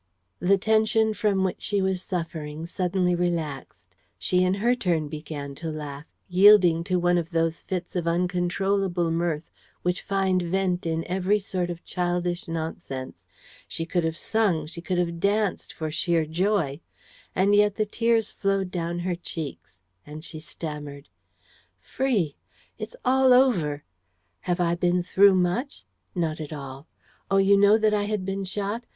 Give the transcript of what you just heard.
The tension from which she was suffering suddenly relaxed. She in her turn began to laugh, yielding to one of those fits of uncontrollable mirth which find vent in every sort of childish nonsense. She could have sung, she could have danced for sheer joy. And yet the tears flowed down her cheeks. And she stammered: "Free! ... it's all over! ... Have I been through much? ... Not at all! ... Oh, you know that I had been shot?